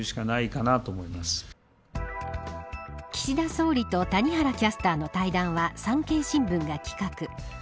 岸田総理と谷原キャスターの対談は産経新聞が企画。